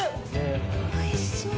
おいしそう。